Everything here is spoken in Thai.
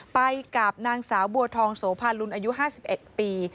ไปกับนางสาวบัวทองโสภาลุนอายุ๕๑ปี